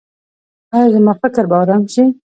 ایا زما فکر به ارام شي؟